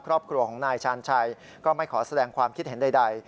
ครอบครัวของนายชาญชัยก็ไม่ขอแสดงความคิดเห็นใด